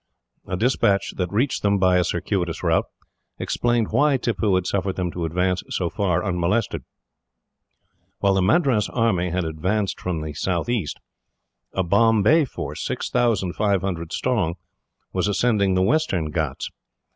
A despatch that reached them, by a circuitous route, explained why Tippoo had suffered them to advance so far unmolested. While the Madras army had advanced from the southeast, a Bombay force, 6,500 strong, was ascending the Western Ghauts.